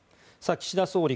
岸田総理